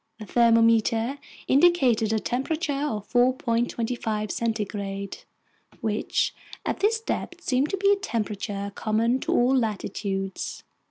The thermometer indicated a temperature of 4.25 degrees centigrade, which at this depth seemed to be a temperature common to all latitudes.